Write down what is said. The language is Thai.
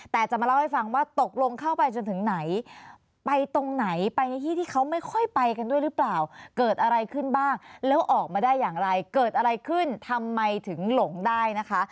แต่จะมาเล่าให้ฟังว่าตกลงเข้าไปจนถึงไหนไปตรงไหนไปในที่ที่เขาไม่ค่อยไปกันด้วยหรือเปล่าเกิดอะไรขึ้นบ้างแล้วออกมาได้อย่างไรเกิดอะไรขึ้นทำไมถึงหลงได้นะคะ